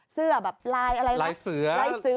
เสื้อแบบลายอะไรนะลายเสื้อ